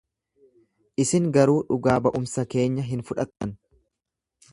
Isin garuu dhugaa ba'umsa keenya hin fudhattan.